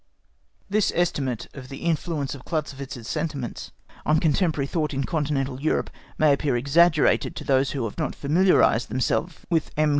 This estimate of the influence of Clausewitz's sentiments on contemporary thought in Continental Europe may appear exaggerated to those who have not familiarised themselves with M.